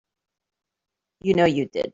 You know you did.